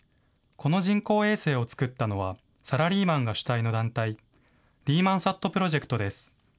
この人工衛星を作ったのは、サラリーマンが主体の団体、リーマンサットプロジェクトです。